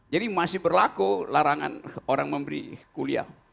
jadi masih berlaku larangan orang memberi kuliah